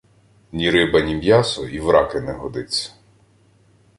Ні риба, ні м’ясо, і в раки не годиться.